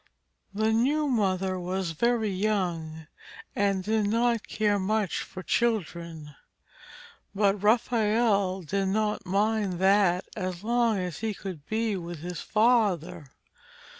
The new mother was very young, and did not care much for children, but Raphael did not mind that as long as he could be with his father.